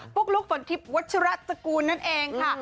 ุ๊กลุ๊กฝนทิพย์วัชรสกูลนั่นเองค่ะ